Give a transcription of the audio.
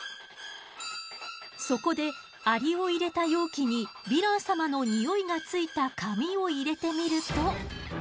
そこでアリを入れた容器にヴィラン様のニオイがついた紙を入れてみると。